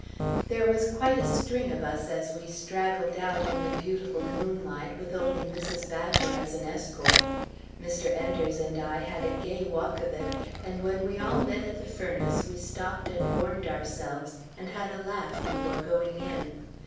There was quite a string of us as we straggled out in the beautiful moonlight, with only Mrs. Badger as an escort. Mr. Enders and I had a gay walk of it, and when we all met at the furnace, we stopped and warmed ourselves, and had a laugh before going in.